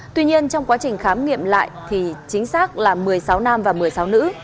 tuy nhiên trong quá trình khám nghiệm lại thì chính xác là một mươi sáu nam và một mươi sáu nữ